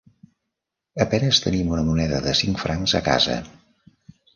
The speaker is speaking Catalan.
A penes tenim una moneda de cinc francs a casa.